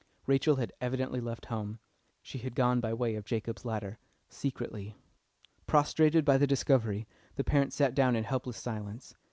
Rachel had evidently left home! She had gone by way of Jacob's ladder secretly. Prostrated by the discovery, the parents sat down in helpless silence.